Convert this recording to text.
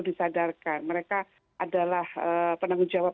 disadarkan mereka adalah penanggung jawab